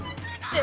え？